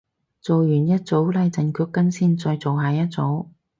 做完一組拉陣腳筋先再做下一組